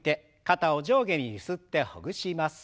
肩を上下にゆすってほぐします。